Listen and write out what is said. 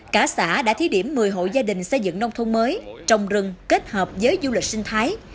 cả xã đã thí điểm một mươi hộ gia đình xây dựng nông thôn mới trồng rừng kết hợp với du lịch sinh thái